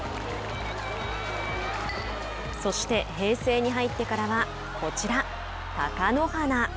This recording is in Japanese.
そして平成に入ってからはこちら、貴乃花。